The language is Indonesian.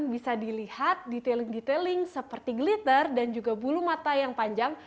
bisa dilihat detailing detailing seperti glitter dan juga bulu mata yang panjang